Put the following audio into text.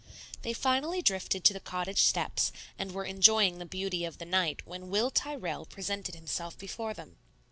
They finally drifted to the cottage steps, and were enjoying the beauty of the night when Will Tyrrell presented himself before them.